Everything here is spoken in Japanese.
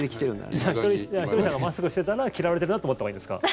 じゃあひとりさんがマスクしてたら嫌われてるなって思ったほうがいいんですか？